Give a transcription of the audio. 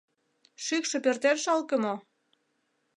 — Шӱкшӧ пӧртет жалке мо?